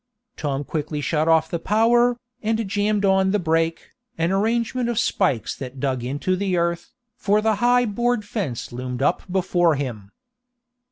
Tom quickly shut off the power, and jammed on the brake, an arrangement of spikes that dug into the earth, for the high board fence loomed up before him.